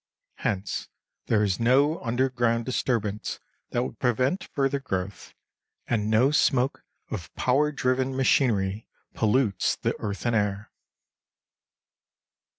Hence there is no underground disturbance that would prevent further growth, and no smoke of power driven machinery pollutes the earth and air.